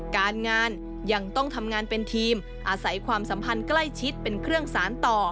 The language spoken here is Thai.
การงานยังต้องทำงานเป็นทีมอาศัยความสัมพันธ์ใกล้ชิดเป็นเครื่องสารต่อ